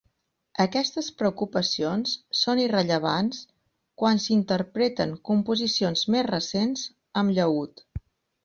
Aquestes preocupacions són irrellevants quan s'interpreten composicions més recents amb llaüt.